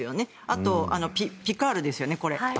あと、ピカールですよね。